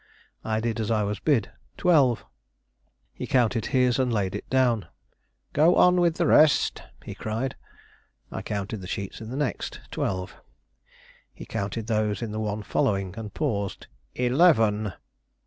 I did as I was bid. "Twelve." He counted his and laid it down. "Go on with the rest," he cried. I counted the sheets in the next; twelve. He counted those in the one following, and paused. "Eleven!"